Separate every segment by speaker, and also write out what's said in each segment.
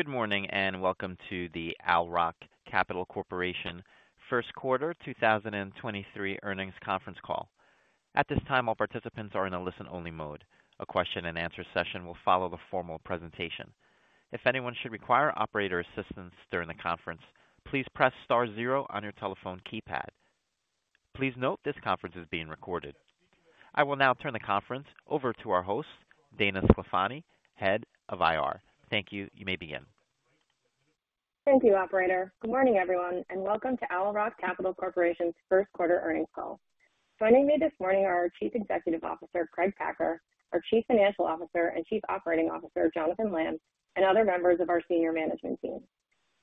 Speaker 1: Good morning, welcome to the Owl Rock Capital Corporation first quarter 2023 earnings conference call. At this time, all participants are in a listen-only mode. A question and answer session will follow the formal presentation. If anyone should require operator assistance during the conference, please press star zero on your telephone keypad. Please note this conference is being recorded. I will now turn the conference over to our host, Dana Sclafani, Head of IR. Thank you. You may begin.
Speaker 2: Thank you, operator. Good morning, everyone. Welcome to Owl Rock Capital Corporation's first quarter earnings call. Joining me this morning are our Chief Executive Officer, Craig Packer, our Chief Financial Officer and Chief Operating Officer, Jonathan Lamm, and other members of our senior management team.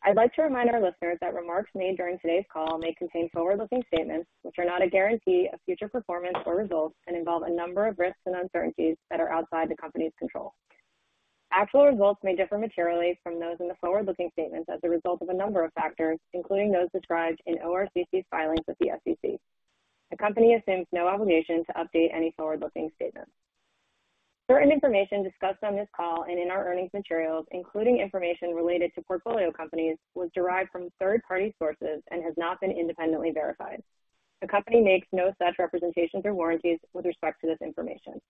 Speaker 2: I'd like to remind our listeners that remarks made during today's call may contain forward-looking statements, which are not a guarantee of future performance or results and involve a number of risks and uncertainties that are outside the company's control. Actual results may differ materially from those in the forward-looking statements as a result of a number of factors, including those described in ORCC's filings with the SEC. The company assumes no obligation to update any forward-looking statements. Certain information discussed on this call and in our earnings materials, including information related to portfolio companies, was derived from third-party sources and has not been independently verified. The company makes no such representations or warranties with respect to this information.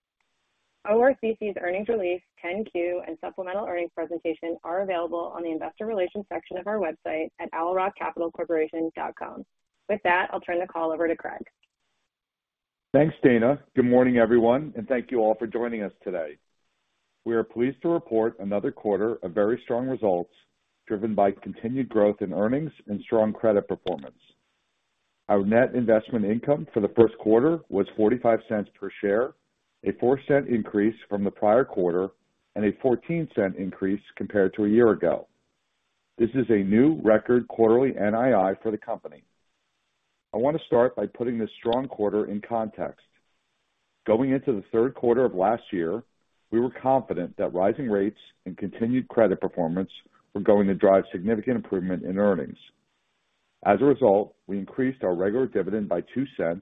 Speaker 2: ORCC's earnings release, Form 10-Q, and supplemental earnings presentation are available on the investor relations section of our website at owlrockcapitalcorporation.com. With that, I'll turn the call over to Craig.
Speaker 3: Thanks, Dana. Good morning, everyone, and thank you all for joining us today. We are pleased to report another quarter of very strong results driven by continued growth in earnings and strong credit performance. Our net investment income for the first quarter was $0.45 per share, a $0.04 increase from the prior quarter and a $0.14 increase compared to a year ago. This is a new record quarterly NII for the company. I want to start by putting this strong quarter in context. Going into the third quarter of last year, we were confident that rising rates and continued credit performance were going to drive significant improvement in earnings. As a result, we increased our regular dividend by $0.02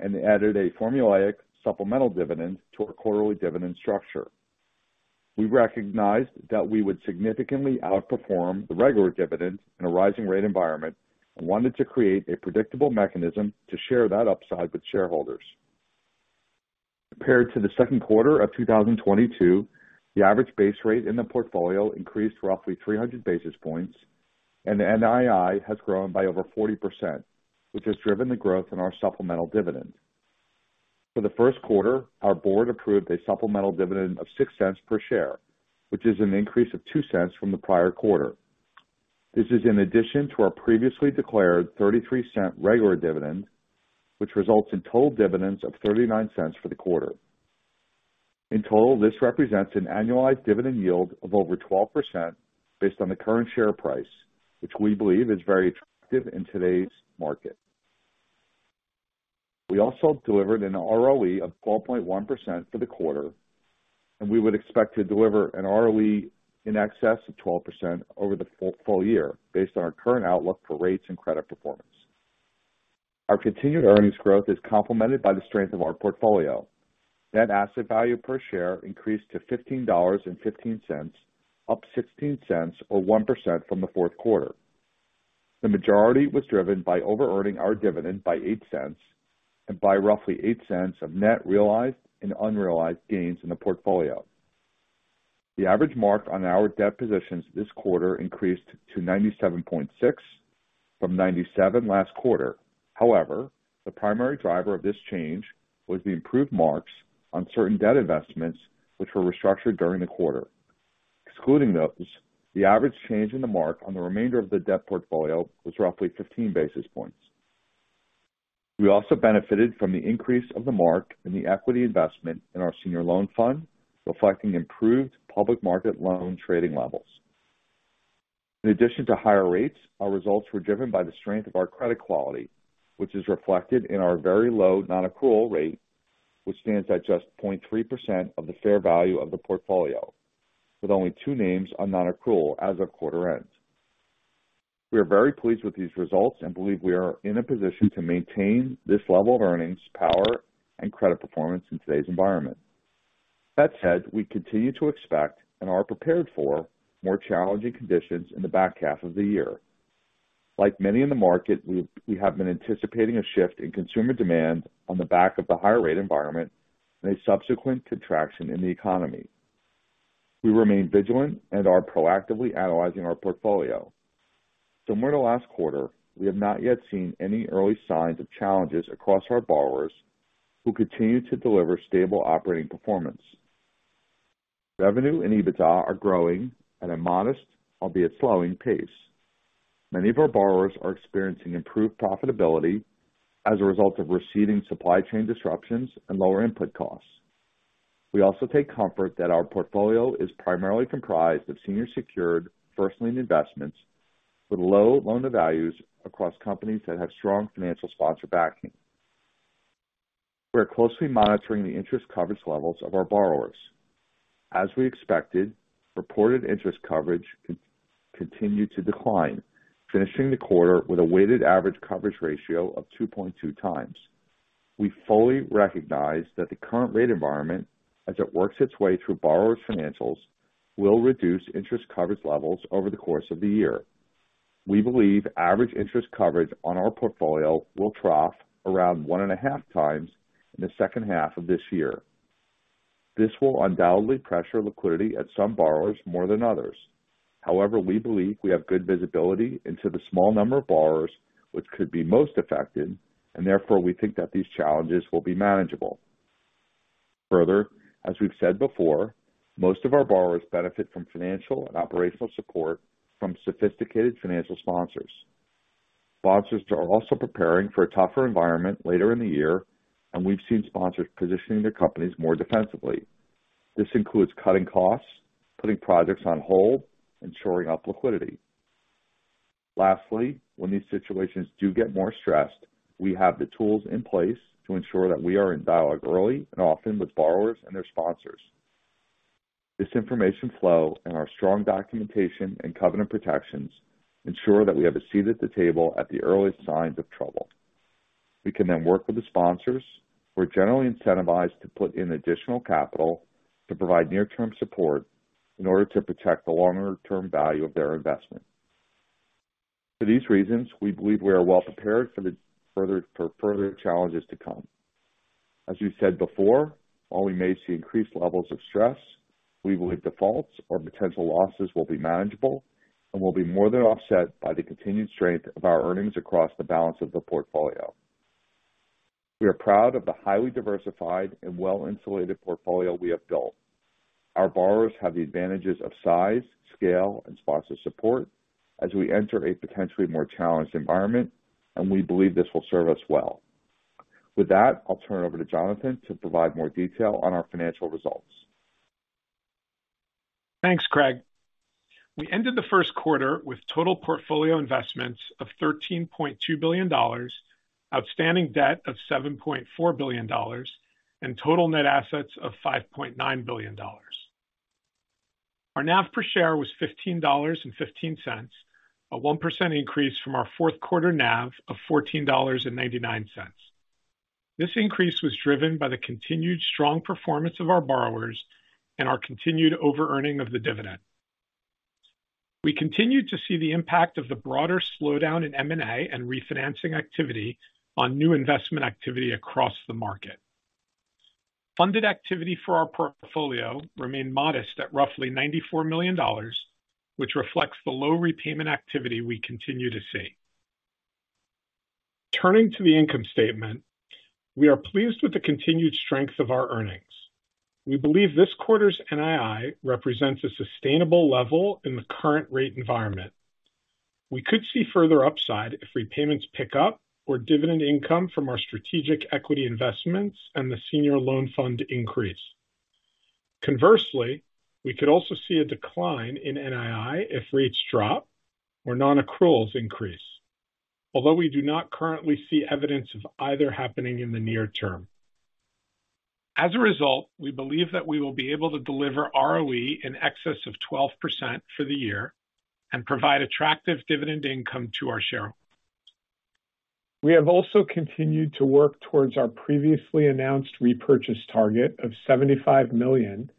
Speaker 3: and added a formulaic supplemental dividend to our quarterly dividend structure. We recognized that we would significantly outperform the regular dividend in a rising rate environment and wanted to create a predictable mechanism to share that upside with shareholders. Compared to the second quarter of 2022, the average base rate in the portfolio increased roughly 300 basis points, the NII has grown by over 40%, which has driven the growth in our supplemental dividend. For the first quarter, our board approved a supplemental dividend of $0.06 per share, which is an increase of $0.02 from the prior quarter. This is in addition to our previously declared $0.33 regular dividend, which results in total dividends of $0.39 for the quarter. In total, this represents an annualized dividend yield of over 12% based on the current share price, which we believe is very attractive in today's market. We also delivered an ROE of 12.1% for the quarter. We would expect to deliver an ROE in excess of 12% over the full year based on our current outlook for rates and credit performance. Our continued earnings growth is complemented by the strength of our portfolio. Net asset value per share increased to $15.15, up $0.16, or 1% from the fourth quarter. The majority was driven by overearning our dividend by $0.08 and by roughly $0.08 of net realized and unrealized gains in the portfolio. The average mark on our debt positions this quarter increased to 97.6% from 97% last quarter. The primary driver of this change was the improved marks on certain debt investments which were restructured during the quarter. Excluding those, the average change in the mark on the remainder of the debt portfolio was roughly 15 basis points. We also benefited from the increase of the mark in the equity investment in our senior loan fund, reflecting improved public market loan trading levels. In addition to higher rates, our results were driven by the strength of our credit quality, which is reflected in our very low non-accrual rate, which stands at just 0.3% of the fair value of the portfolio, with only two names on non-accrual as of quarter end. We are very pleased with these results and believe we are in a position to maintain this level of earnings power and credit performance in today's environment. That said, we continue to expect and are prepared for more challenging conditions in the back half of the year. Like many in the market, we have been anticipating a shift in consumer demand on the back of the higher rate environment and a subsequent contraction in the economy. We remain vigilant and are proactively analyzing our portfolio. Similar to last quarter, we have not yet seen any early signs of challenges across our borrowers who continue to deliver stable operating performance. Revenue and EBITDA are growing at a modest, albeit slowing pace. Many of our borrowers are experiencing improved profitability as a result of receding supply chain disruptions and lower input costs. We also take comfort that our portfolio is primarily comprised of senior secured first lien investments with low loan-to-values across companies that have strong financial sponsor backing. We are closely monitoring the interest coverage levels of our borrowers. As we expected, reported interest coverage continued to decline, finishing the quarter with a weighted average coverage ratio of 2.2x. We fully recognize that the current rate environment, as it works its way through borrowers' financials, will reduce interest coverage levels over the course of the year. We believe average interest coverage on our portfolio will trough around 1.5x in the second half of this year. This will undoubtedly pressure liquidity at some borrowers more than others. We believe we have good visibility into the small number of borrowers which could be most affected, and therefore, we think that these challenges will be manageable. As we've said before, most of our borrowers benefit from financial and operational support from sophisticated financial sponsors. Sponsors are also preparing for a tougher environment later in the year, and we've seen sponsors positioning their companies more defensively. This includes cutting costs, putting projects on hold, and shoring up liquidity. Lastly, when these situations do get more stressed, we have the tools in place to ensure that we are in dialogue early and often with borrowers and their sponsors. This information flow and our strong documentation and covenant protections ensure that we have a seat at the table at the earliest signs of trouble. We can then work with the sponsors who are generally incentivized to put in additional capital to provide near-term support in order to protect the longer-term value of their investment. For these reasons, we believe we are well prepared for further challenges to come. As we've said before, while we may see increased levels of stress, we believe defaults or potential losses will be manageable and will be more than offset by the continued strength of our earnings across the balance of the portfolio. We are proud of the highly diversified and well-insulated portfolio we have built. Our borrowers have the advantages of size, scale, and sponsor support as we enter a potentially more challenged environment, and we believe this will serve us well. With that, I'll turn it over to Jonathan to provide more detail on our financial results.
Speaker 4: Thanks, Craig. We ended the first quarter with total portfolio investments of $13.2 billion, outstanding debt of $7.4 billion, and total net assets of $5.9 billion. Our NAV per share was $15.15, a 1% increase from our fourth quarter NAV of $14.99. This increase was driven by the continued strong performance of our borrowers and our continued over-earning of the dividend. We continued to see the impact of the broader slowdown in M&A and refinancing activity on new investment activity across the market. Funded activity for our portfolio remained modest at roughly $94 million, which reflects the low repayment activity we continue to see. Turning to the income statement, we are pleased with the continued strength of our earnings. We believe this quarter's NII represents a sustainable level in the current rate environment. We could see further upside if repayments pick up or dividend income from our strategic equity investments and the senior loan fund increase. Conversely, we could also see a decline in NII if rates drop or non-accruals increase. Although we do not currently see evidence of either happening in the near term. As a result, we believe that we will be able to deliver ROE in excess of 12% for the year and provide attractive dividend income to our shareholders. We have also continued to work towards our previously announced repurchase target of $75 million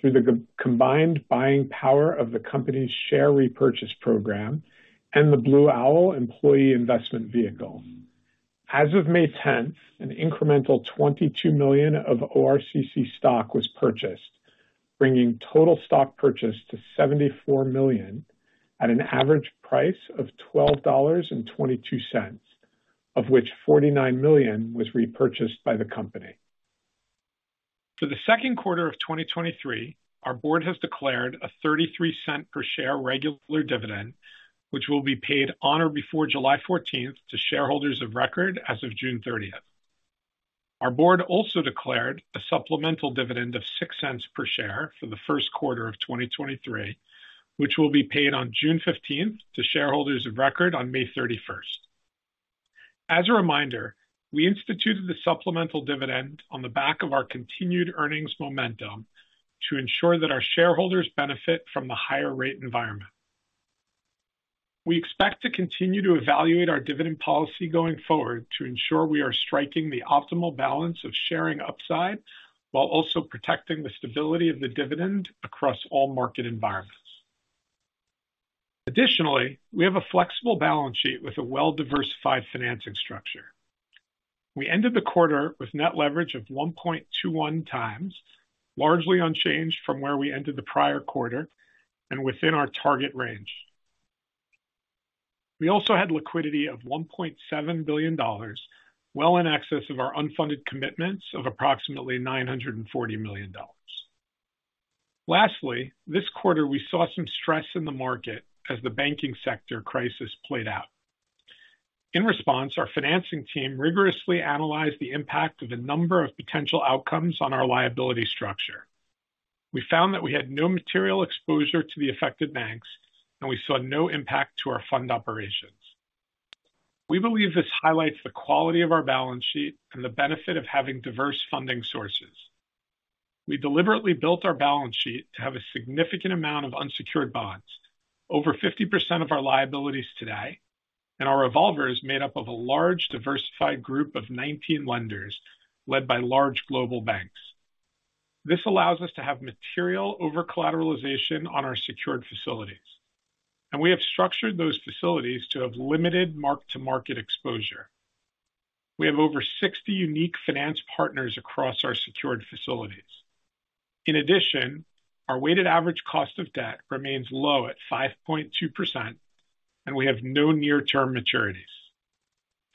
Speaker 4: through the combined buying power of the company's share repurchase program and the Blue Owl employee investment vehicle. As of May 10th, 2023 an incremental $22 million of ORCC stock was purchased, bringing total stock purchase to $74 million at an average price of $12.22, of which $49 million was repurchased by the company. For the second quarter of 2023, our board has declared a $0.33 per share regular dividend, which will be paid on or before July 14th, 2023 to shareholders of record as of June 30th 2023. Our board also declared a supplemental dividend of $0.06 per share for the first quarter of 2023, which will be paid on June 15th to shareholders of record on May 31st 2023. As a reminder, we instituted the supplemental dividend on the back of our continued earnings momentum to ensure that our shareholders benefit from the higher rate environment. We expect to continue to evaluate our dividend policy going forward to ensure we are striking the optimal balance of sharing upside while also protecting the stability of the dividend across all market environments. We have a flexible balance sheet with a well-diversified financing structure. We ended the quarter with net leverage of 1.21x, largely unchanged from where we ended the prior quarter and within our target range. We also had liquidity of $1.7 billion, well in excess of our unfunded commitments of approximately $940 million. This quarter we saw some stress in the market as the banking sector crisis played out. In response, our financing team rigorously analyzed the impact of the number of potential outcomes on our liability structure. We found that we had no material exposure to the affected banks, and we saw no impact to our fund operations. We believe this highlights the quality of our balance sheet and the benefit of having diverse funding sources. We deliberately built our balance sheet to have a significant amount of unsecured bonds, over 50% of our liabilities today, and our revolver is made up of a large, diversified group of 19 lenders led by large global banks. This allows us to have material over-collateralization on our secured facilities, and we have structured those facilities to have limited mark-to-market exposure. We have over 60 unique finance partners across our secured facilities. In addition, our weighted average cost of debt remains low at 5.2%, and we have no near-term maturities.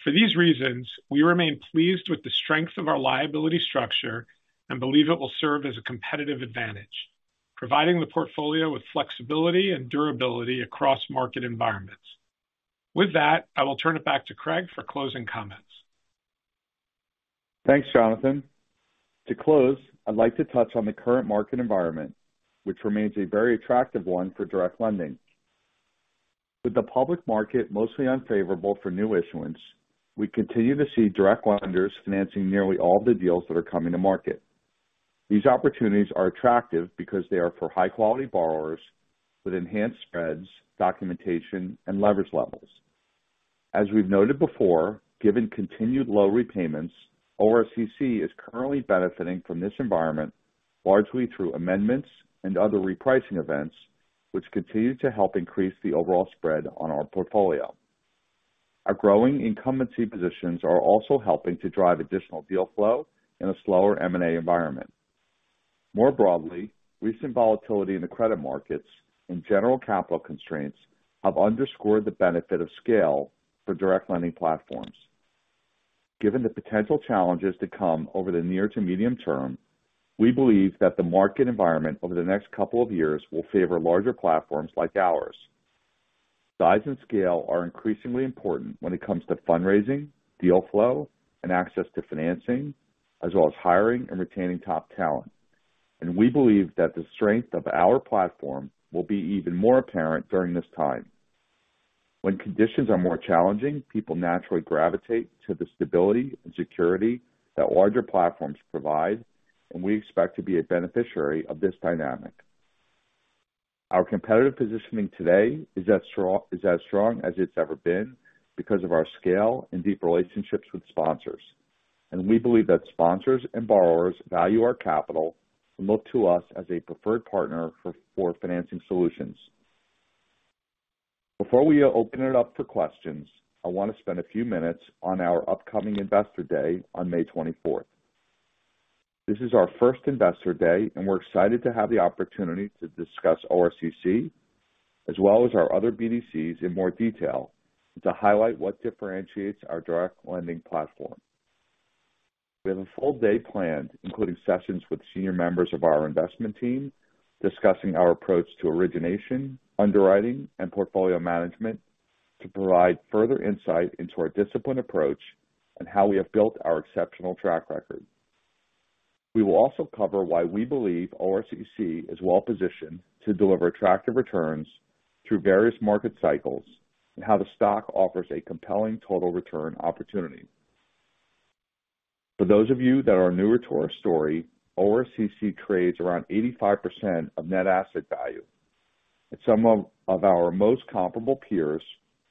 Speaker 4: For these reasons, we remain pleased with the strength of our liability structure and believe it will serve as a competitive advantage, providing the portfolio with flexibility and durability across market environments. With that, I will turn it back to Craig for closing comments.
Speaker 3: Thanks, Jonathan. To close, I'd like to touch on the current market environment, which remains a very attractive one for direct lending. With the public market mostly unfavorable for new issuance, we continue to see direct lenders financing nearly all the deals that are coming to market. These opportunities are attractive because they are for high-quality borrowers with enhanced spreads, documentation, and leverage levels. As we've noted before, given continued low repayments, ORCC is currently benefiting from this environment largely through amendments and other repricing events, which continue to help increase the overall spread on our portfolio. Our growing incumbency positions are also helping to drive additional deal flow in a slower M&A environment. More broadly, recent volatility in the credit markets and general capital constraints have underscored the benefit of scale for direct lending platforms. Given the potential challenges to come over the near to medium term, we believe that the market environment over the next couple of years will favor larger platforms like ours. Size and scale are increasingly important when it comes to fundraising, deal flow, and access to financing, as well as hiring and retaining top talent. We believe that the strength of our platform will be even more apparent during this time. When conditions are more challenging, people naturally gravitate to the stability and security that larger platforms provide, and we expect to be a beneficiary of this dynamic. Our competitive positioning today is as strong as it's ever been because of our scale and deep relationships with sponsors. We believe that sponsors and borrowers value our capital and look to us as a preferred partner for financing solutions. Before we open it up for questions, I wanna spend a few minutes on our upcoming Investor Day on May 24th. This is our first Investor Day, and we're excited to have the opportunity to discuss ORCC, as well as our other BDCs in more detail to highlight what differentiates our direct lending platform. We have a full day planned, including sessions with senior members of our investment team, discussing our approach to origination, underwriting, and portfolio management to provide further insight into our disciplined approach and how we have built our exceptional track record. We will also cover why we believe ORCC is well positioned to deliver attractive returns through various market cycles and how the stock offers a compelling total return opportunity. For those of you that are newer to our story, ORCC trades around 85% of net asset value. Some of our most comparable peers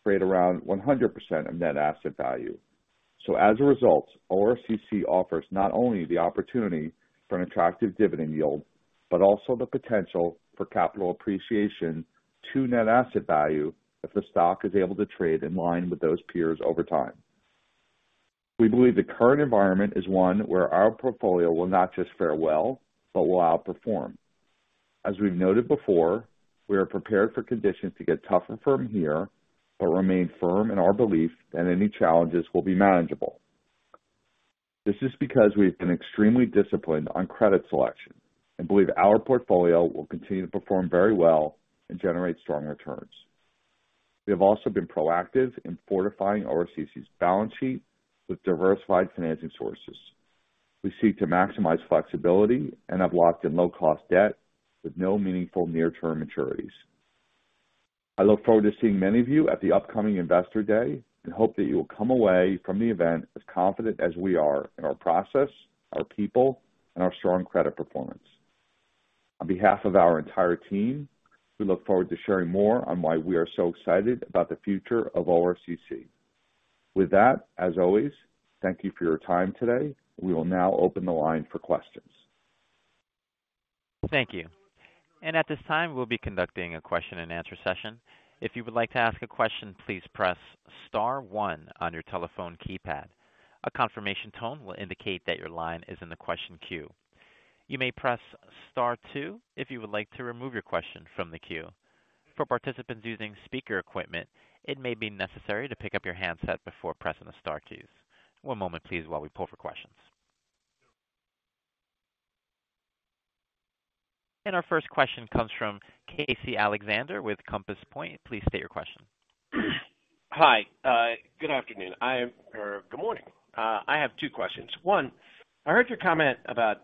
Speaker 3: trade around 100% of net asset value. As a result, ORCC offers not only the opportunity for an attractive dividend yield, but also the potential for capital appreciation to net asset value if the stock is able to trade in line with those peers over time. We believe the current environment is one where our portfolio will not just fare well but will outperform. As we've noted before, we are prepared for conditions to get tougher from here but remain firm in our belief that any challenges will be manageable. This is because we've been extremely disciplined on credit selection and believe our portfolio will continue to perform very well and generate strong returns. We have also been proactive in fortifying ORCC's balance sheet with diversified financing sources. We seek to maximize flexibility and have locked in low-cost debt with no meaningful near-term maturities. I look forward to seeing many of you at the upcoming investor day and hope that you'll come away from the event as confident as we are in our process, our people, and our strong credit performance. On behalf of our entire team, we look forward to sharing more on why we are so excited about the future of ORCC. With that, as always, thank you for your time today. We will now open the line for questions.
Speaker 1: Thank you. At this time, we'll be conducting a question-and-answer session. If you would like to ask a question, please press star one on your telephone keypad. A confirmation tone will indicate that your line is in the question queue. You may press star two if you would like to remove your question from the queue. For participants using speaker equipment, it may be necessary to pick up your handset before pressing the star keys. One moment please while we pull for questions. Our first question comes from Casey Alexander with Compass Point. Please state your question.
Speaker 5: Hi. Good afternoon. Or good morning. I have two questions. One, I heard your comment about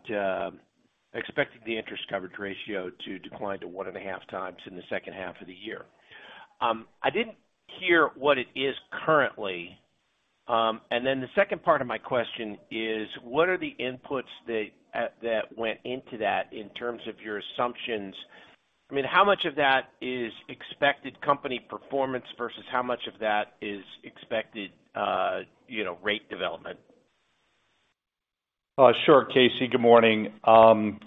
Speaker 5: expecting the interest coverage ratio to decline to 1.5x the second half of the year. I didn't hear what it is currently. The second part of my question is, what are the inputs that went into that in terms of your assumptions? How much of that is expected company performance versus how much of that is expected rate development?
Speaker 3: Sure, Casey. Good mornixng.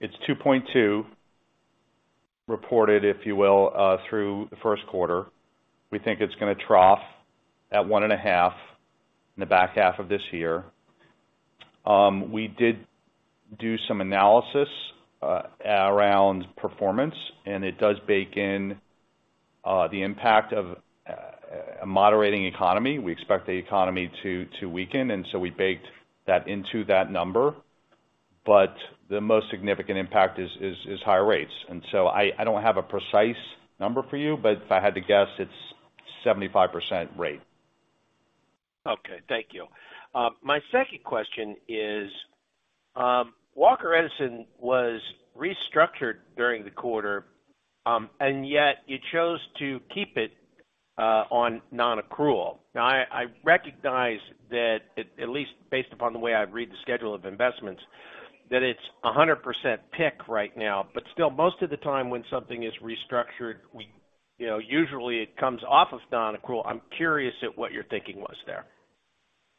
Speaker 3: It's 2.2x reported, if you will, through the first quarter. We think it's gonna trough at 1.5x in the back half of this year. We did do some analysis around performance, and it does bake in the impact of a moderating economy. We expect the economy to weaken, and so we baked that into that number. The most significant impact is higher rates. I don't have a precise number for you, but if I had to guess, it's 75% rate.
Speaker 5: Okay. Thank you. My second question is, Walker Edison was restructured during the quarter, and yet you chose to keep it on non-accrual. Now, I recognize that at least based upon the way I read the schedule of investments, that it's 100% PIK right now. Still, most of the time when something is restructured, you know, usually it comes off of non-accrual. I'm curious at what your thinking was there.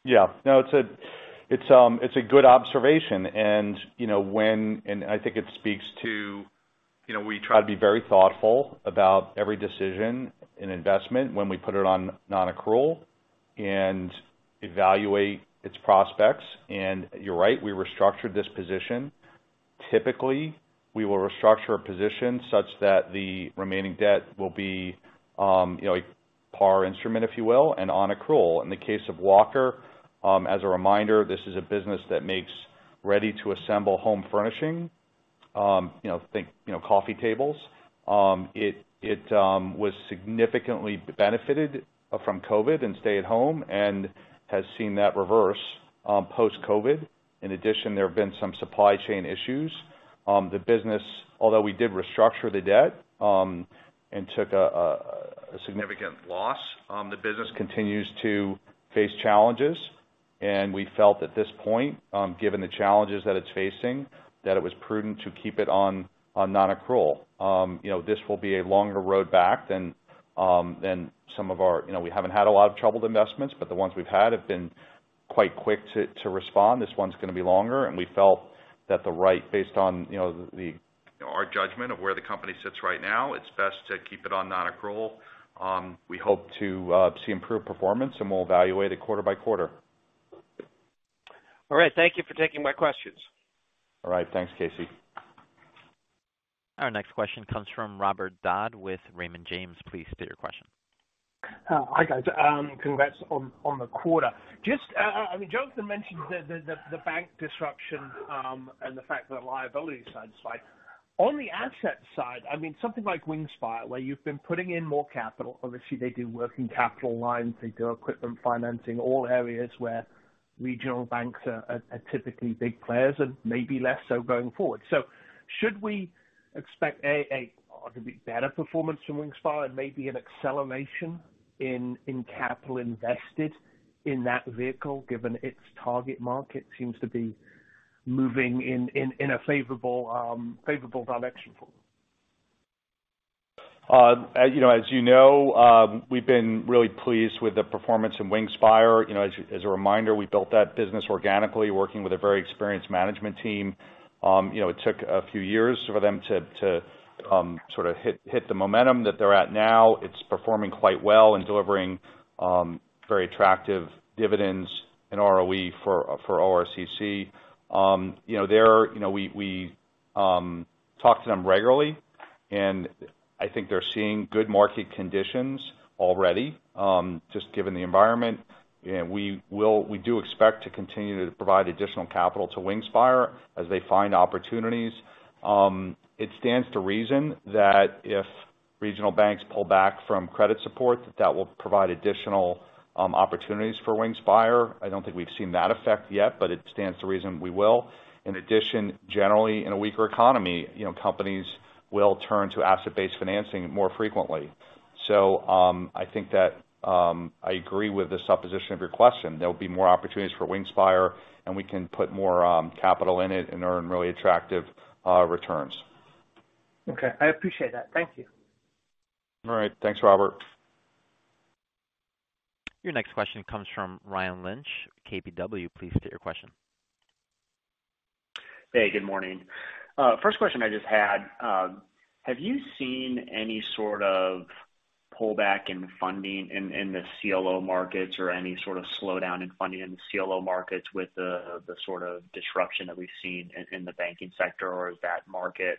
Speaker 3: Yeah. No, it's a good observation. I think it speaks to, you know, we try to be very thoughtful about every decision in investment when we put it on non-accrual and evaluate its prospects. You're right, we restructured this position. Typically, we will restructure a position such that the remaining debt will be, you know, a par instrument, if you will, and on accrual. In the case of Walker, as a reminder, this is a business that makes ready-to-assemble home furnishing coffee tables. It was significantly benefited from COVID and stay at home and has seen that reverse, post-COVID. In addition, there have been some supply chain issues. The business, although we did restructure the debt, and took a significant loss, the business continues to face challenges. We felt at this point, given the challenges that it's facing, that it was prudent to keep it on non-accrual. You know, this will be a longer road back than some of our... You know, we haven't had a lot of troubled investments, but the ones we've had have been quite quick to respond. This one's gonna be longer, and we felt that the right based on, our judgment of where the company sits right now, it's best to keep it on non-accrual. We hope to see improved performance and we'll evaluate it quarter by quarter.
Speaker 5: All right. Thank you for taking my questions.
Speaker 3: All right. Thanks, Casey.
Speaker 1: Our next question comes from Robert Dodd with Raymond James. Please state your question.
Speaker 6: Hi, guys. Congrats on the quarter. Jonathan mentioned the bank disruption and the fact that the liability side slide. On the asset side, I mean, something like Wingspire Capital, where you've been putting in more capital. Obviously, they do working capital lines, they do equipment financing, all areas where regional banks are typically big players and maybe less so going forward. Should we expect arguably better performance from Wingspire and maybe an acceleration in capital invested in that vehicle, given its target market seems to be moving in a favorable direction for them?
Speaker 3: As you know, we've been really pleased with the performance in Wingspire. You know, as a reminder, we built that business organically working with a very experienced management team. You know, it took a few years for them to sort of hit the momentum that they're at now. It's performing quite well and delivering very attractive dividends and ROE for ORCC. You know, they're, you know, we talk to them regularly, and I think they're seeing good market conditions already, just given the environment. We do expect to continue to provide additional capital to Wingspire Capital as they find opportunities. It stands to reason that if regional banks pull back from credit support, that will provide additional opportunities for Wingspire Capital. I don't think we've seen that effect yet, but it stands to reason we will. In addition, generally in a weaker economy, you know, companies will turn to asset-based financing more frequently. I think that I agree with the supposition of your question. There'll be more opportunities for Wingspire Capital, and we can put more capital in it and earn really attractive returns.
Speaker 6: Okay. I appreciate that. Thank you.
Speaker 3: All right. Thanks, Robert.
Speaker 1: Your next question comes from Ryan Lynch, KBW. Please state your question.
Speaker 7: Hey, good morning. First question I just had, have you seen any sort of pullback in funding in the CLO markets or any sort of slowdown in funding in the CLO markets with the sort of disruption that we've seen in the banking sector? Or is that market,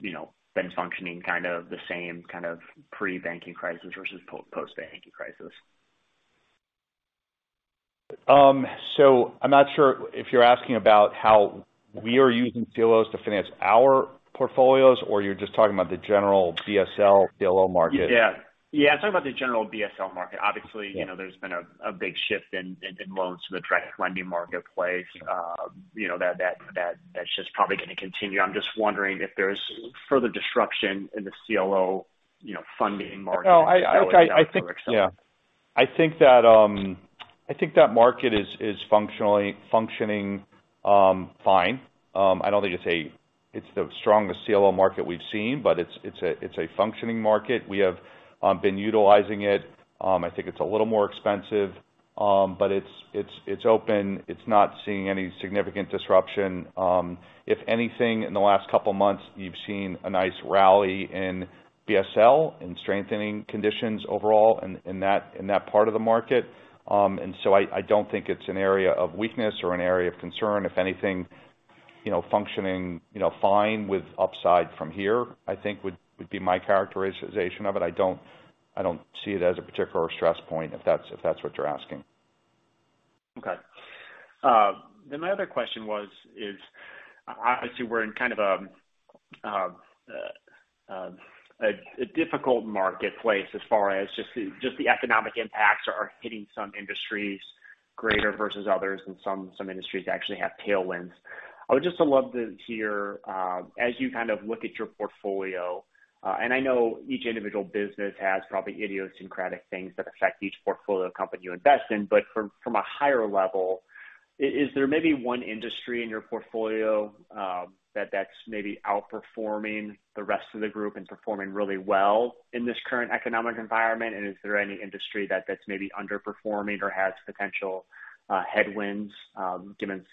Speaker 7: you know, been functioning kind of the same kind of pre-banking crisis versus post-banking crisis?
Speaker 3: I'm not sure if you're asking about how we are using CLOs to finance our portfolios or you're just talking about the general BSL CLO market.
Speaker 7: Yeah. Yeah, I'm talking about the general BSL market. Obviously, you know, there's been a big shift in loans to the direct lending marketplace. you know, that's just probably gonna continue. I'm just wondering if there's further disruption in the CLO, you know, funding market-
Speaker 3: No, I think.
Speaker 7: Is that sort of settled?
Speaker 3: I think that, I think that market is functioning fine. I don't think it's the strongest CLO market we've seen, but it's a, it's a functioning market. We have been utilizing it. I think it's a little more expensive, but it's, it's open. It's not seeing any significant disruption. If anything, in the last couple months, you've seen a nice rally in BSL and strengthening conditions overall in that part of the market. I don't think it's an area of weakness or an area of concern. If anything, you know, functioning, you know, fine with upside from here, I think would be my characterization of it. I don't see it as a particular stress point if that's what you're asking.
Speaker 7: Okay. My other question was, obviously we're in kind of a difficult marketplace as far as just the economic impacts are hitting some industries greater versus others, and some industries actually have tailwinds. I would just love to hear, as you kind of look at your portfolio, and I know each individual business has probably idiosyncratic things that affect each portfolio company you invest in, but from a higher level, is there maybe one industry in your portfolio that's maybe outperforming the rest of the group and performing really well in this current economic environment? Is there any industry that's maybe underperforming or has potential headwinds given some of the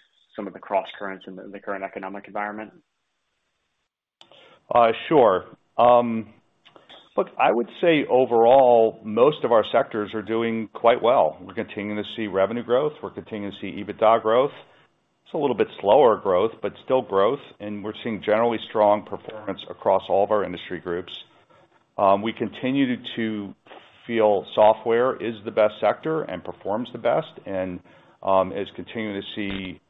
Speaker 7: crosscurrents in the current economic environment?
Speaker 3: Sure. Look, I would say overall, most of our sectors are doing quite well. We're continuing to see revenue growth. We're continuing to see EBITDA growth. It's a little bit slower growth, but still growth. We're seeing generally strong performance across all of our industry groups. We continue to feel software is the best sector and performs the best and is continuing to see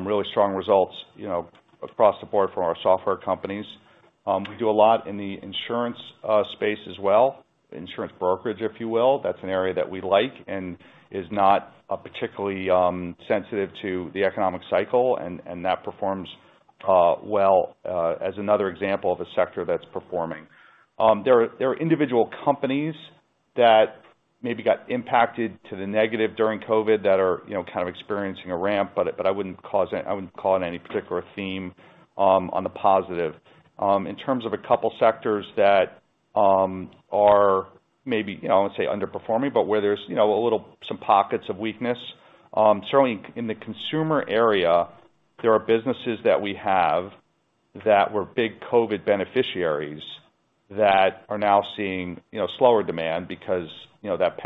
Speaker 3: really strong results, you know, across the board from our software companies. We do a lot in the insurance space as well, insurance brokerage, if you will. That's an area that we like and is not particularly sensitive to the economic cycle, and that performs well as another example of a sector that's performing. There are individual companies that maybe got impacted to the negative during COVID that are, you know, kind of experiencing a ramp, but I wouldn't call it any particular theme on the positive. In terms of a couple sectors that are maybe, I wouldn't say underperforming, but where there's, you know, a little some pockets of weakness. Certainly in the consumer area, there are businesses that we have that were big COVID beneficiaries that are now seeing, you know, slower demand because, you know, that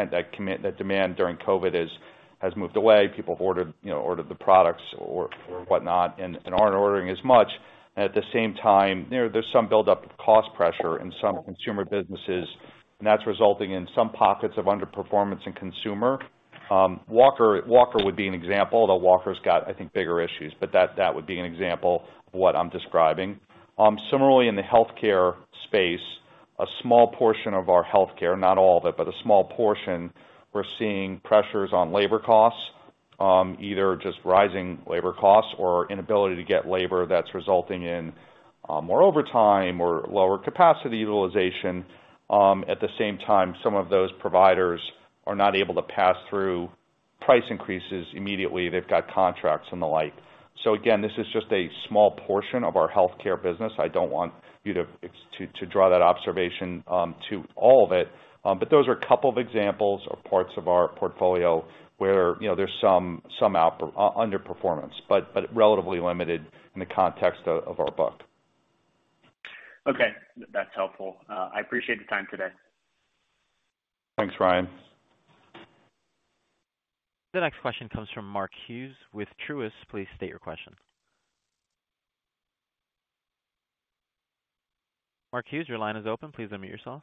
Speaker 3: demand during COVID has moved away. People have ordered, you know, ordered the products or whatnot and aren't ordering as much. At the same time, you know, there's some buildup of cost pressure in some consumer businesses, that's resulting in some pockets of underperformance in consumer. Walker would be an example, although Walker's got, I think, bigger issues. That would be an example of what I'm describing. Similarly in the healthcare space, a small portion of our healthcare, not all of it, but a small portion, we're seeing pressures on labor costs, either just rising labor costs or inability to get labor that's resulting in more overtime or lower capacity utilization. At the same time, some of those providers are not able to pass through price increases immediately. They've got contracts and the like. Again, this is just a small portion of our healthcare business. I don't want you to draw that observation to all of it. Those are a couple of examples of parts of our portfolio where, you know, there's some underperformance, but relatively limited in the context of our book.
Speaker 7: Okay. That's helpful. I appreciate the time today.
Speaker 3: Thanks, Ryan.
Speaker 1: The next question comes from Mark Hughes with Truist. Please state your question. Mark Hughes, your line is open. Please unmute yourself.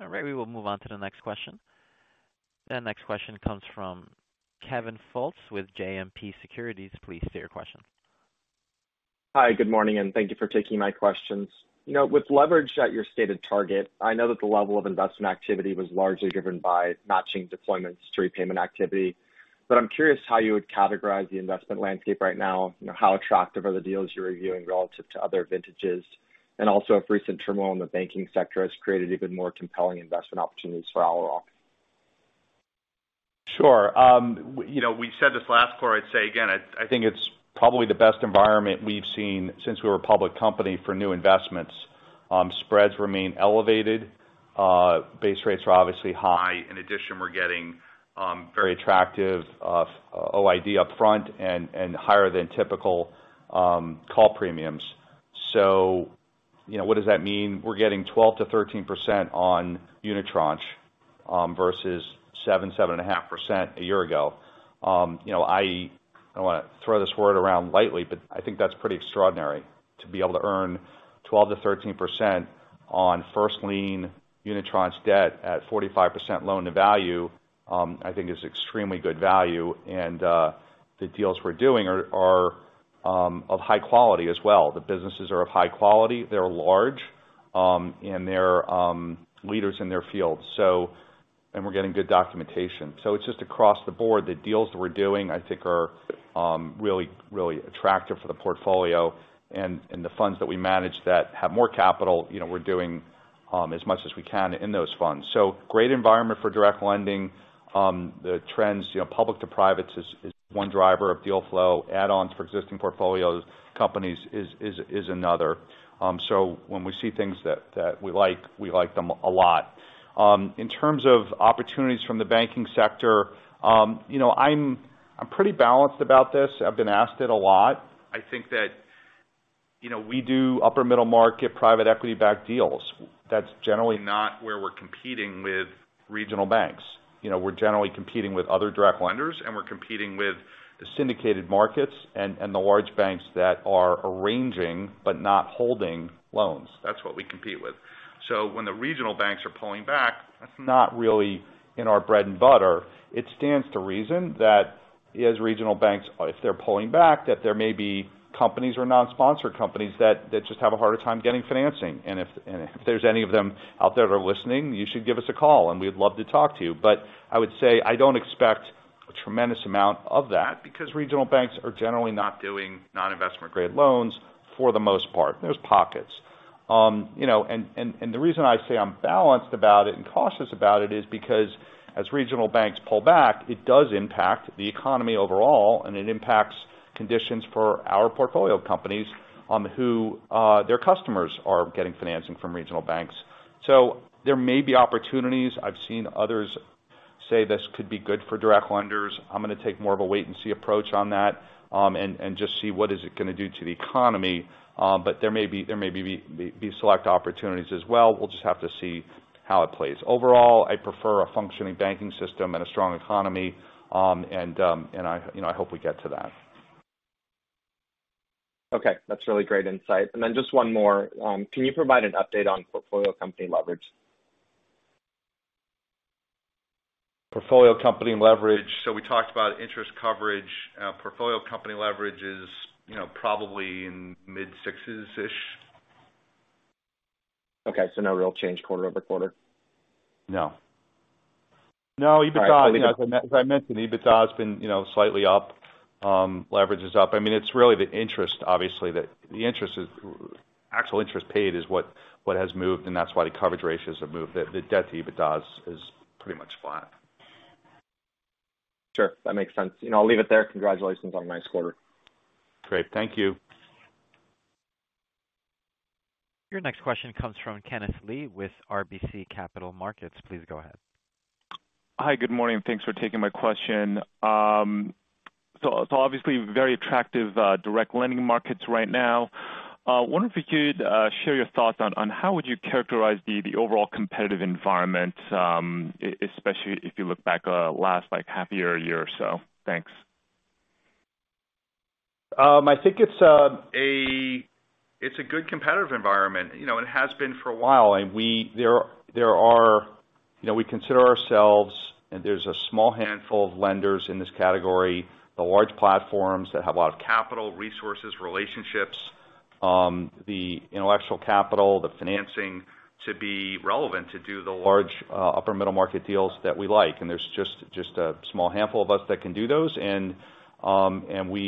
Speaker 1: All right, we will move on to the next question. The next question comes from Kevin Fultz with JMP Securities. Please state your question.
Speaker 8: Hi, good morning, and thank you for taking my questions. You know, with leverage at your stated target, I know that the level of investment activity was largely driven by matching deployments to repayment activity. I'm curious how you would categorize the investment landscape right now. You know, how attractive are the deals you're reviewing relative to other vintages? Also, if recent turmoil in the banking sector has created even more compelling investment opportunities for Owl Rock.
Speaker 3: Sure. You know, we said this last quarter, I'd say again, I think it's probably the best environment we've seen since we were a public company for new investments. Spreads remain elevated. Base rates are obviously high. In addition, we're getting very attractive OID upfront and higher than typical call premiums. You know, what does that mean? We're getting 12%-13% on unitranche versus 7%, 7.5% a year ago. You know, I don't wanna throw this word around lightly, but I think that's pretty extraordinary to be able to earn 12%-13% on first lien unitranche debt at 45% loan to value, I think is extremely good value. The deals we're doing are of high quality as well. The businesses are of high quality, they're large, and they're leaders in their field. And we're getting good documentation. It's just across the board. The deals that we're doing, I think, are really, really attractive for the portfolio and the funds that we manage that have more capital, you know, we're doing as much as we can in those funds. Great environment for direct lending. The trends, you know, public to private is one driver of deal flow. Add-ons for existing portfolios companies is another. When we see things that we like, we like them a lot. In terms of opportunities from the banking sector, you know, I'm pretty balanced about this. I've been asked it a lot. I think that, you know, we do upper middle market private equity-backed deals. That's generally not where we're competing with regional banks. You know, we're generally competing with other direct lenders, and we're competing with the syndicated markets and the large banks that are arranging but not holding loans. That's what we compete with. When the regional banks are pulling back, that's not really in our bread and butter. It stands to reason that as regional banks, if they're pulling back, that there may be companies or non-sponsor companies that just have a harder time getting financing. If there's any of them out there that are listening, you should give us a call, and we'd love to talk to you. I would say I don't expect a tremendous amount of that because regional banks are generally not doing non-investment grade loans for the most part. There's pockets. You know, and the reason I say I'm balanced about it and cautious about it is because as regional banks pull back, it does impact the economy overall, and it impacts conditions for our portfolio companies on who their customers are getting financing from regional banks. There may be opportunities. I've seen others say this could be good for direct lenders. I'm gonna take more of a wait and see approach on that, and just see what is it gonna do to the economy. There may be, there may be select opportunities as well. We'll just have to see how it plays. Overall, I prefer a functioning banking system and a strong economy, and I, you know, I hope we get to that.
Speaker 8: Okay. That's really great insight. Just one more. Can you provide an update on portfolio company leverage?
Speaker 3: Portfolio company leverage. We talked about interest coverage. Portfolio company leverage is, you know, probably in mid sixes-ish.
Speaker 8: Okay, no real change quarter-over-quarter.
Speaker 3: No. No, EBITDA, as I mentioned, EBITDA has been, you know, slightly up. Leverage is up. I mean, it's really the interest, obviously, that the interest is actual interest paid is what has moved, and that's why the coverage ratios have moved. The debt to EBITDA is pretty much flat.
Speaker 8: Sure. That makes sense. You know, I'll leave it there. Congratulations on a nice quarter.
Speaker 3: Great. Thank you.
Speaker 1: Your next question comes from Kenneth Lee with RBC Capital Markets. Please go ahead.
Speaker 9: Hi. Good morning. Thanks for taking my question. Obviously, very attractive direct lending markets right now. Wondering if you could share your thoughts on how would you characterize the overall competitive environment, especially if you look back last, like, half year or a year or so. Thanks.
Speaker 3: I think it's a good competitive environment. You know, it has been for a while. There are, you know, we consider ourselves, and there's a small handful of lenders in this category, the large platforms that have a lot of capital, resources, relationships, the intellectual capital, the financing to be relevant to do the large, upper middle market deals that we like. There's just a small handful of us that can do those. We,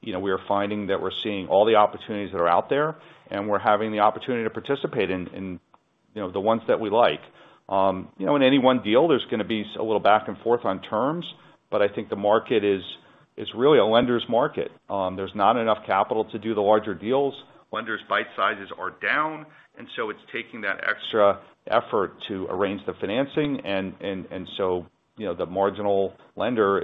Speaker 3: you know, we are finding that we're seeing all the opportunities that are out there, and we're having the opportunity to participate in, you know, the ones that we like. You know, in any one deal, there's gonna be a little back and forth on terms, but I think the market is, it's really a lender's market. There's not enough capital to do the larger deals. Lenders' bite sizes are down, so it's taking that extra effort to arrange the financing. You know, the marginal lender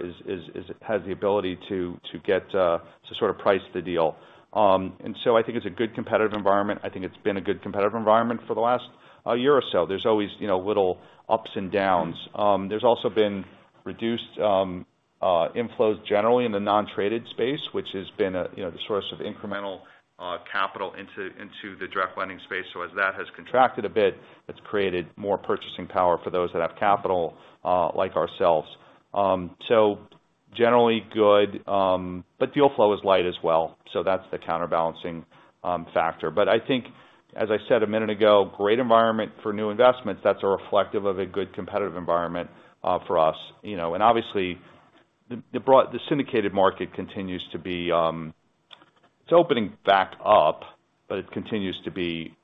Speaker 3: has the ability to get to sort of price the deal. So I think it's a good competitive environment. I think it's been a good competitive environment for the last year or so. There's always, you know, little ups and downs. There's also been reduced inflows generally in the non-traded space, which has been a, you know, the source of incremental capital into the direct lending space. As that has contracted a bit, it's created more purchasing power for those that have capital like ourselves. Generally good, but deal flow is light as well. That's the counterbalancing factor. I think, as I said a minute ago, great environment for new investments. That's a reflective of a good competitive environment for us, you know. Obviously, the syndicated market continues to be. It's opening back up, but it continues to be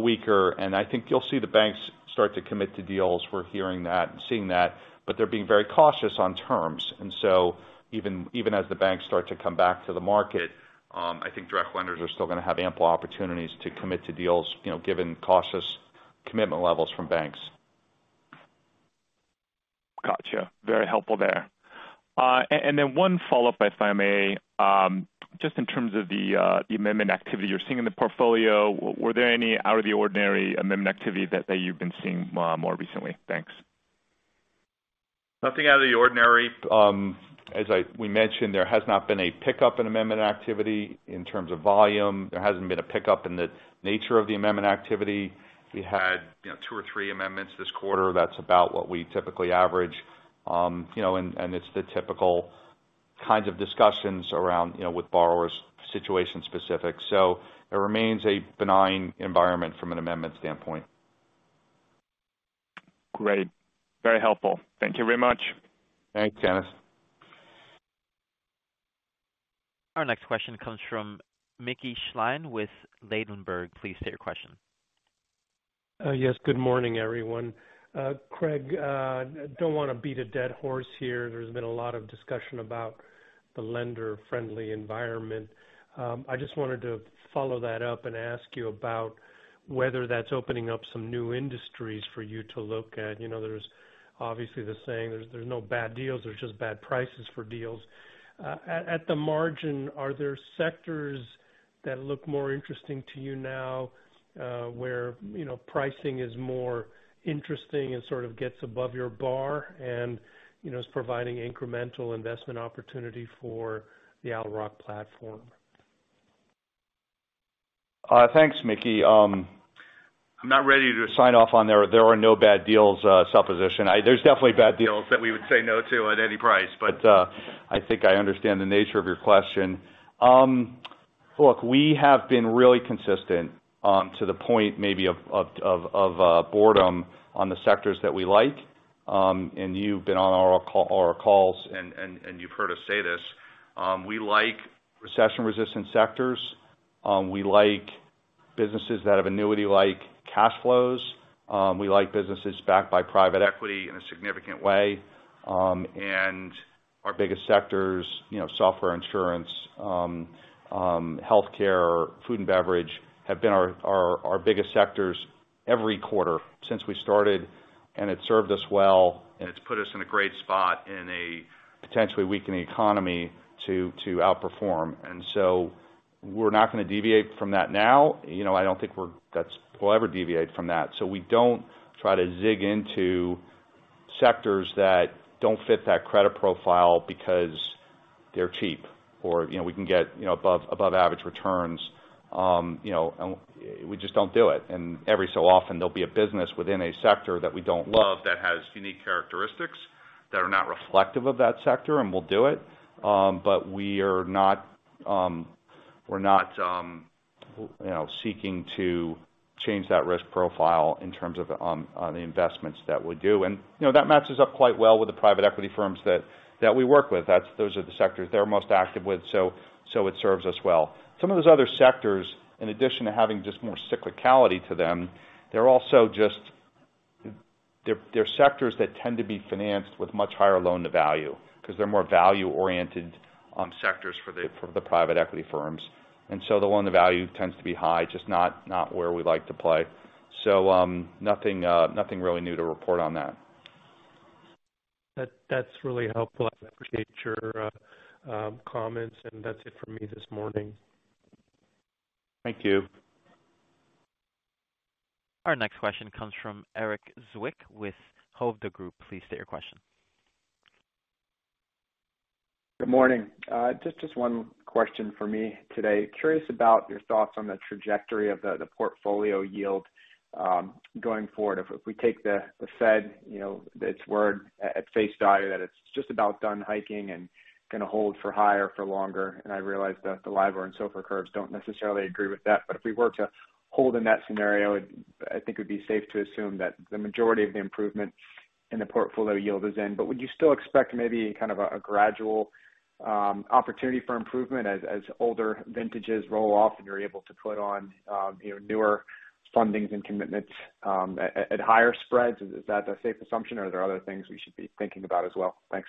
Speaker 3: weaker. I think you'll see the banks start to commit to deals. We're hearing that and seeing that, but they're being very cautious on terms. Even as the banks start to come back to the market, I think direct lenders are still gonna have ample opportunities to commit to deals, you know, given cautious commitment levels from banks.
Speaker 9: Gotcha. Very helpful there. Then one follow-up, if I may. Just in terms of the amendment activity you're seeing in the portfolio, were there any out of the ordinary amendment activity that you've been seeing more recently? Thanks.
Speaker 3: Nothing out of the ordinary. As we mentioned, there has not been a pickup in amendment activity in terms of volume. There hasn't been a pickup in the nature of the amendment activity. We had, you know, two or three amendments this quarter. That's about what we typically average. You know, and it's the typical kinds of discussions around, you know, with borrowers situation specific. It remains a benign environment from an amendment standpoint.
Speaker 9: Great. Very helpful. Thank you very much.
Speaker 3: Thanks, Kenneth.
Speaker 1: Our next question comes from Mickey Schleien with Ladenburg. Please state your question.
Speaker 10: Yes. Good morning, everyone. Craig, don't wanna beat a dead horse here. There's been a lot of discussion about the lender friendly environment. I just wanted to follow that up and ask you about whether that's opening up some new industries for you to look at. You know, there's obviously the saying there's no bad deals, there's just bad prices for deals. At the margin, are there sectors that look more interesting to you now, where, you know, pricing is more interesting and sort of gets above your bar and, you know, is providing incremental investment opportunity for the Owl Rock platform?
Speaker 3: Thanks, Mickey. I'm not ready to sign off on there. There are no bad deals, supposition. There's definitely bad deals that we would say no to at any price. I think I understand the nature of your question. Look, we have been really consistent, to the point maybe of boredom on the sectors that we like. You've been on our calls and you've heard us say this. We like recession resistant sectors. We like businesses that have annuity-like cash flows. We like businesses backed by private equity in a significant way. Our biggest sectors, you know, software insurance, healthcare, food and beverage have been our biggest sectors every quarter since we started, and it served us well. It's put us in a great spot in a potentially weakening economy to outperform. We're not gonna deviate from that now. You know, I don't think we'll ever deviate from that. We don't try to zig into sectors that don't fit that credit profile because they're cheap or, you know, we can get, you know, above average returns. You know, we just don't do it. Every so often there'll be a business within a sector that we don't love that has unique characteristics that are not reflective of that sector, and we'll do it. We're not, you know, seeking to change that risk profile in terms of on the investments that we do. You know, that matches up quite well with the private equity firms that we work with. That's those are the sectors they're most active with. It serves us well. Some of those other sectors, in addition to having just more cyclicality to them, they're also they're sectors that tend to be financed with much higher loan to value because they're more value-oriented sectors for the, for the private equity firms. The loan to value tends to be high, just not where we like to play. Nothing really new to report on that.
Speaker 10: That's really helpful. I appreciate your comments. That's it for me this morning.
Speaker 3: Thank you.
Speaker 1: Our next question comes from Erik Zwick with Hovde Group. Please state your question.
Speaker 11: Good morning. just one question for me today. Curious about your thoughts on the trajectory of the portfolio yield going forward. If we take the Fed, you know, its word at face value, that it's just about done hiking and gonna hold for higher for longer. I realize that the LIBOR and SOFR curves don't necessarily agree with that. If we were to hold in that scenario, I think it would be safe to assume that the majority of the improvement in the portfolio yield is in. Would you still expect maybe kind of a gradual opportunity for improvement as older vintages roll off and you're able to put on, you know, newer fundings and commitments at higher spreads? Is that a safe assumption or are there other things we should be thinking about as well? Thanks.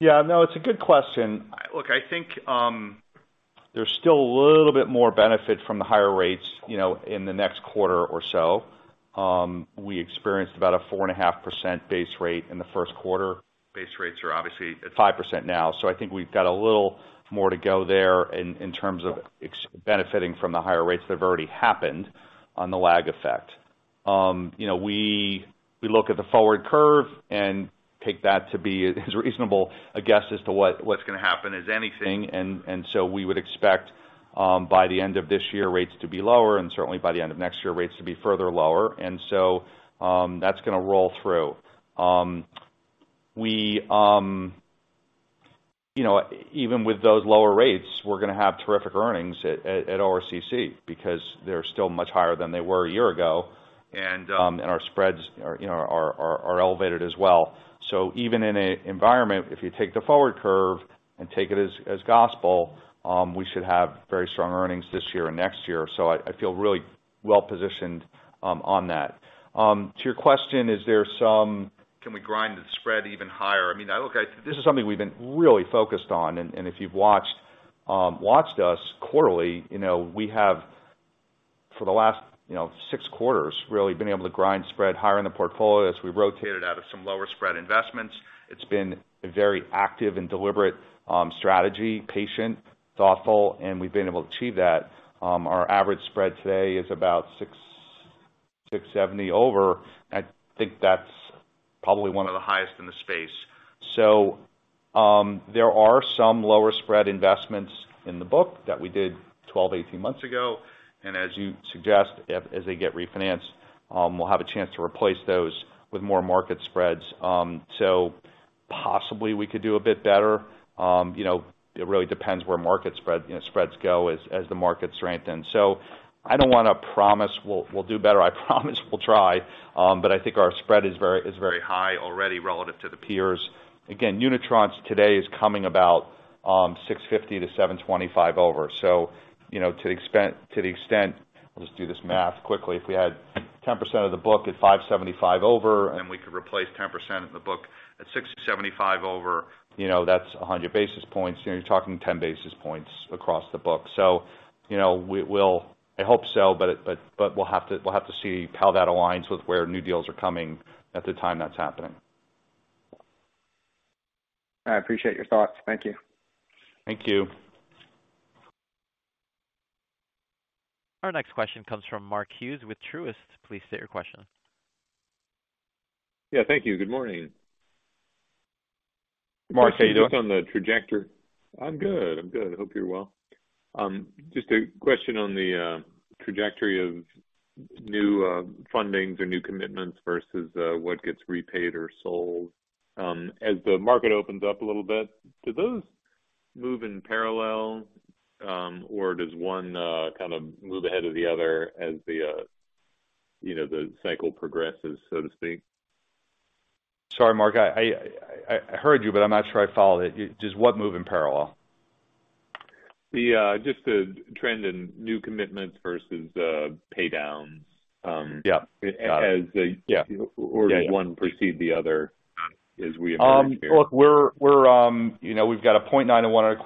Speaker 3: Yeah. No, it's a good question. Look, I think, there's still a little bit more benefit from the higher rates, you know, in the next quarter or so. We experienced about a 4.5% base rate in the first quarter. Base rates are obviously at 5% now. I think we've got a little more to go there in terms of benefiting from the higher rates that have already happened on the lag effect. You know, we look at the forward curve and take that to be as reasonable a guess as to what's gonna happen as anything. We would expect, by the end of this year, rates to be lower and certainly by the end of next year, rates to be further lower. That's gonna roll through. We, even with those lower rates, we're gonna have terrific earnings at ORCC because they're still much higher than they were a year ago. Our spreads are elevated as well. Even in a environment, if you take the forward curve and take it as gospel, we should have very strong earnings this year and next year. I feel really well positioned on that. To your question, can we grind the spread even higher? This is something we've been really focused on. If you've watched us quarterly, we have for the last six quarters really been able to grind spread higher in the portfolio as we rotated out of some lower spread investments. It's been a very active and deliberate strategy, patient, thoughtful, and we've been able to achieve that. Our average spread today is about 6.70 over. I think that's probably one of the highest in the space. There are some lower spread investments in the book that we did 12, 18 months ago. As you suggest, as they get refinanced, we'll have a chance to replace those with more market spreads. Possibly we could do a bit better. You know, it really depends where market spread, you know, spreads go as the markets strengthen. I don't wanna promise we'll do better. I promise we'll try. But I think our spread is very high already relative to the peers. Again, unitranche today is coming about 650-725 over. You know, to the extent, I'll just do this math quickly. If we had 10% of the book at 575 over, and we could replace 10% of the book at 675 over, you know, that's 100 basis points. You know, you're talking 10 basis points across the book. You know, we'll I hope so, but we'll have to, we'll have to see how that aligns with where new deals are coming at the time that's happening.
Speaker 11: I appreciate your thoughts. Thank you.
Speaker 3: Thank you.
Speaker 1: Our next question comes from Mark Hughes with Truist. Please state your question.
Speaker 12: Yeah, thank you. Good morning.
Speaker 3: Mark, how you doing?
Speaker 12: Based on the trajectory. I'm good. I'm good. Hope you're well. Just a question on the trajectory of new fundings or new commitments versus what gets repaid or sold. As the market opens up a little bit, do those move in parallel, or does one kind of move ahead of the other as the, you know, the cycle progresses, so to speak?
Speaker 3: Sorry, Mark. I heard you, but I'm not sure I followed it. Does what move in parallel?
Speaker 12: The, just the trend in new commitments versus, pay down.
Speaker 3: Yeah. Got it.
Speaker 12: As the-
Speaker 3: Yeah.
Speaker 12: Does one precede the other as we emerge here?
Speaker 3: Look, you know, we've got a 0.9-1.25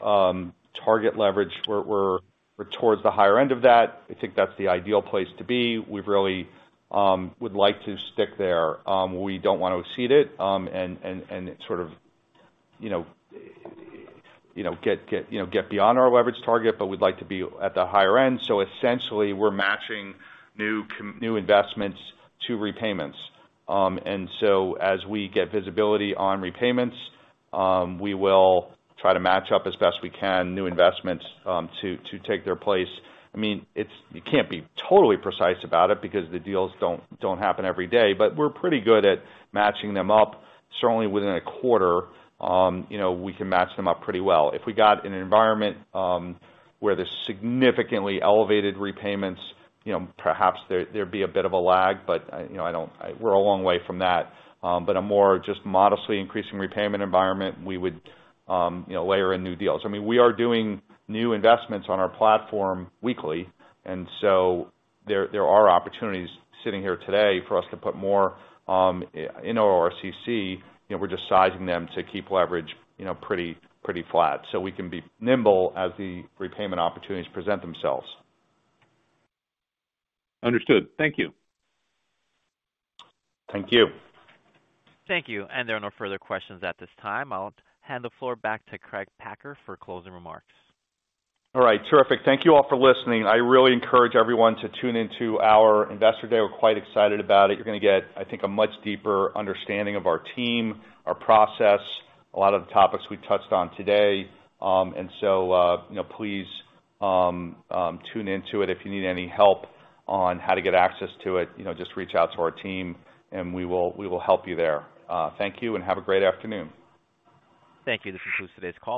Speaker 3: target leverage. We're towards the higher end of that. I think that's the ideal place to be. We've really would like to stick there. We don't want to exceed it, and sort of, you know, get beyond our leverage target, but we'd like to be at the higher end. Essentially, we're matching new investments to repayments. As we get visibility on repayments, we will try to match up as best we can new investments to take their place. I mean, you can't be totally precise about it because the deals don't happen every day. We're pretty good at matching them up. Certainly within a quarter, you know, we can match them up pretty well. If we got an environment, where there's significantly elevated repayments, you know, perhaps there'd be a bit of a lag, but, you know, We're a long way from that. A more just modestly increasing repayment environment we would, you know, layer in new deals. I mean, we are doing new investments on our platform weekly, there are opportunities sitting here today for us to put more in ORCC. You know, we're just sizing them to keep leverage, you know, pretty flat, so we can be nimble as the repayment opportunities present themselves.
Speaker 12: Understood. Thank you.
Speaker 3: Thank you.
Speaker 1: Thank you. There are no further questions at this time. I'll hand the floor back to Craig Packer for closing remarks.
Speaker 3: All right. Terrific. Thank you all for listening. I really encourage everyone to tune into our investor day. We're quite excited about it. You're gonna get, I think, a much deeper understanding of our team, our process, a lot of the topics we touched on today. you know, please, tune into it. If you need any help on how to get access to it, you know, just reach out to our team, and we will help you there. Thank you, and have a great afternoon.
Speaker 1: Thank you. This concludes today's call.